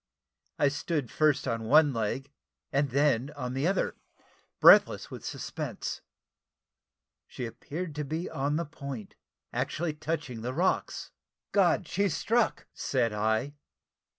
I stood first on one leg, and then on the other, breathless with suspense. She appeared to be on the point actually touching the rocks "God! she's struck!" said I.